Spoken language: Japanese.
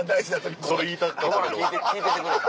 コバは聞いててくれた？